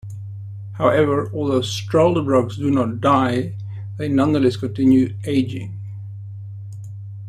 However, although struldbrugs do not "die", they do nonetheless continue "aging".